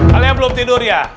kalian belum tidur ya